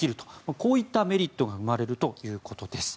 こういったメリットが生まれるということです。